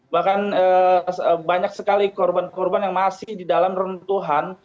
bahkan banyak sekali korban korban yang masih di dalam runtuhan